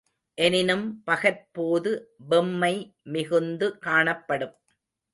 எனினும் பகற்போது வெம்மை மிகுந்து காணப்படும்.